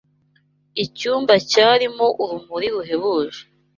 Icyumba cyarimo urumuri ruhebuje